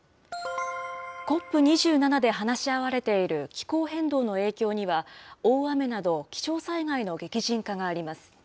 ＣＯＰ２７で話し合われている気候変動の影響には、大雨など、気象災害の激甚化があります。